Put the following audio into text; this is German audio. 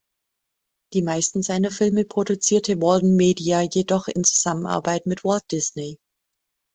Die meisten seiner Filme produziert Walden Media jedoch in Zusammenarbeit mit Walt Disney.